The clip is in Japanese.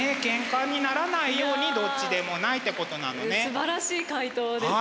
すばらしい回答ですね。